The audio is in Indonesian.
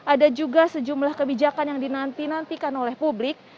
ada juga sejumlah kebijakan yang dinantikan oleh publik